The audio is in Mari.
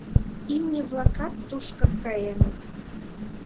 Имне-влакат тушкак каеныт.